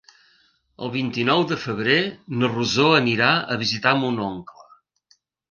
El vint-i-nou de febrer na Rosó anirà a visitar mon oncle.